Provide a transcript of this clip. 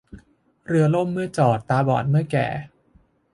เรือล่มเมื่อจอดตาบอดเมื่อแก่